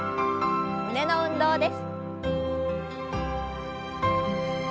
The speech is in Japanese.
胸の運動です。